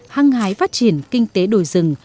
hăng hái phát triển kinh tế đồi rừng